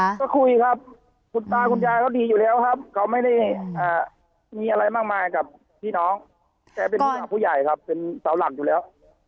ก็คุยครับคุณตาคุณยายเขาดีอยู่แล้วครับเขาไม่ได้มีอะไรมากมายกับพี่น้องแกเป็นผู้หลักผู้ใหญ่ครับเป็นเสาหลักอยู่แล้ว